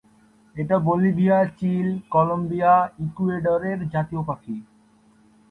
এটা Bolivia, Chile, Colombia ও ইকুয়েডরের জাতীয় পাখি।